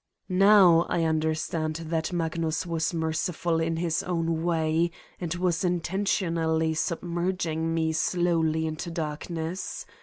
..." Now I understand that Magnus was merciful in his own way and was intentionally submerging me slowly into darkness.